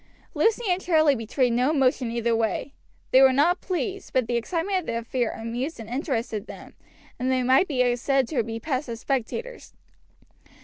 Lucy and Charlie betrayed no emotion either way; they were not pleased, but the excitement of the affair amused and interested them, and they might be said to be passive spectators.